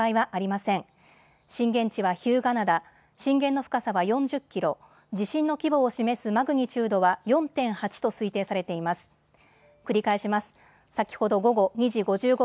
震源地は日向灘、震源の深さは４０キロ、地震の規模を示すマグニチュードは４．８と推定されています。